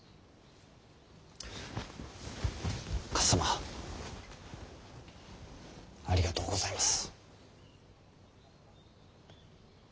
かっさまありがとうございます。